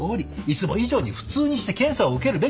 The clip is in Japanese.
いつも以上に普通にして検査を受けるべきなんです。